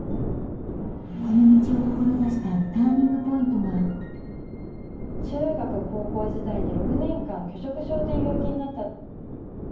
この道を志したＴＵＲＮＩＮＧＰＯＩＮＴは中学高校時代に６年間拒食症という病気になった。